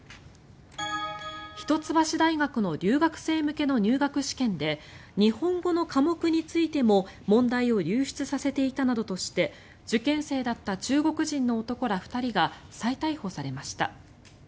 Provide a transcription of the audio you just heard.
一橋大学の留学生向けの入学試験で日本語の科目についても問題を流出させていたなどとして受験生だった中国人の男ら２人が再逮捕されました。